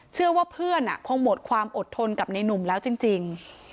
เชื่อว่าเพื่อนคงหมดความอดทนกับในหนุ่มแล้วจริง